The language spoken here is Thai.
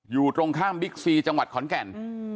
อยู่ตรงข้ามบิ๊กซีจังหวัดขอนแก่น